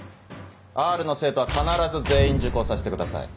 Ｒの生徒は必ず全員受講させてください。